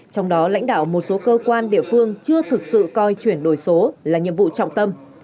trong đó lãnh đạo một số cơ quan địa phương chưa thực sự coi chuyển đổi số là nhiệm vụ trọng tâm